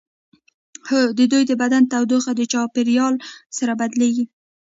هو د دوی د بدن تودوخه د چاپیریال سره بدلیږي